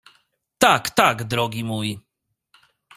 — Tak, tak, drogi mój!